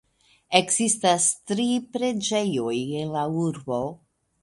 Ekzistas tri preĝejoj en la urbo.